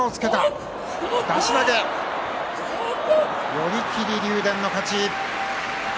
寄り切り、竜電の勝ち。